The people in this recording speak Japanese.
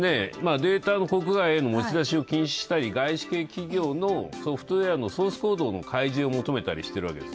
データの国外へ持ち出しを禁止したり、外資系企業のソフトウエアのソースコードの開示を求めたりしているわけです。